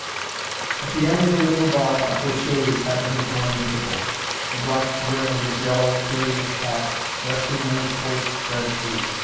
At the end of the little bar a cocher is having his morning tipple, the black brim of his yellow glazed hat resting on his coarse red ears.